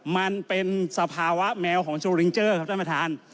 มันเป็นสภาวะแมวของโชว์ลิงเจอร์ครับท่านประธาน